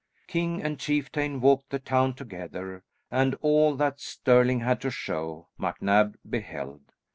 King and chieftain walked the town together, and all that Stirling had to show, MacNab beheld.